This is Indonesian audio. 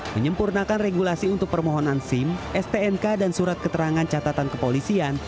menyempurnakan regulasi untuk permohonan sim stnk dan surat keterangan catatan kepolisian